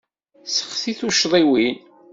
Seɣti tucḍiwin.